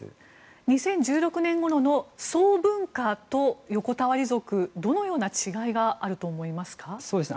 ２０１６年ごろの喪文化と横たわり族どのような違いがあると思いますか？